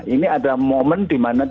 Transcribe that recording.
ini ada momen di mana